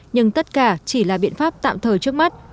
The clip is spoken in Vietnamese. nhưng tất cả chỉ là biện pháp tạm thời trước mắt